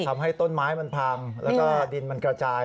ทำให้ต้นไม้มันพังแล้วก็ดินมันกระจาย